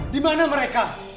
di mana mereka